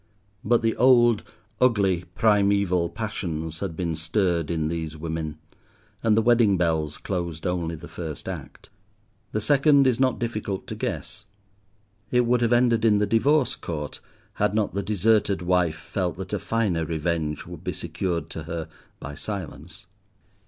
But the old, ugly, primeval passions had been stirred in these women, and the wedding bells closed only the first act. The second is not difficult to guess. It would have ended in the Divorce Court had not the deserted wife felt that a finer revenge would be secured to her by silence.